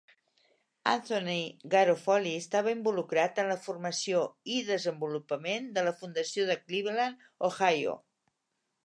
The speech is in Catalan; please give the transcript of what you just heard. Anthony Garofoli estava involucrat en la formació i desenvolupament de la fundació de Cleveland, Ohio.